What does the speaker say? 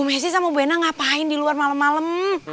bu mensi sama bu endang ngapain di luar malem malem